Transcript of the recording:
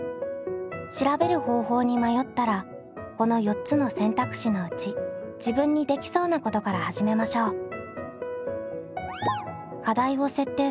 調べる方法に迷ったらこの４つの選択肢のうち自分にできそうなことから始めましょう。